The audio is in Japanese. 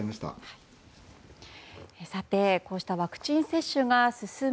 こうしたワクチン接種が進む